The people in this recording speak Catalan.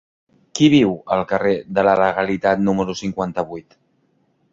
Qui viu al carrer de la Legalitat número cinquanta-vuit?